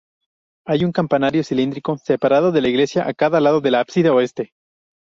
Hay un campanario cilíndrico separado de la iglesia a cada lado del ábside oeste.